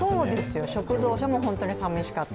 食堂車も本当に寂しかった。